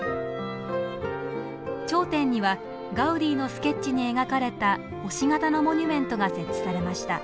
頂点にはガウディのスケッチに描かれた星形のモニュメントが設置されました。